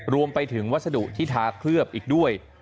รวมไปถึงวัสดุที่ทาเคลือบอีกด้วย